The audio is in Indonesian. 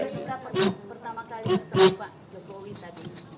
pak sby kita pertama kali bertemu pak jokowi tadi